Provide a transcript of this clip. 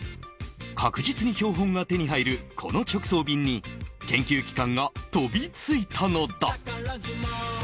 確実に標本が手に入る、この直送便に研究機関が飛びついたのだ。